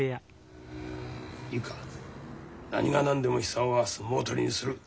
・いいか何が何でも久男は相撲取りにする。